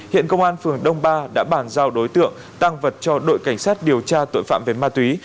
hiện công an phường đông ba đã bàn giao đối tượng tăng vật cho đội cảnh sát điều tra tội phạm về ma túy